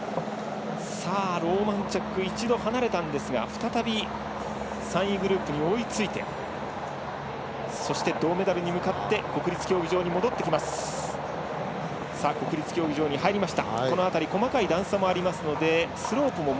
ローマンチャック一度離れたんですが再び３位グループに追いついてそして銅メダルに向かって国立競技場に入りました。